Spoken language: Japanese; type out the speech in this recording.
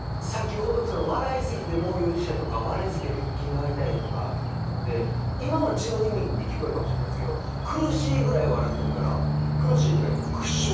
先ほど笑い過ぎてもう許してとか笑い過ぎて腹筋が痛いとかで今は違う意味に聞こえるかもしれないですけど苦しいぐらい笑ってるから「苦しい」って書いて「苦笑」。